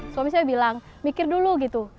suami saya bilang mikir dulu gitu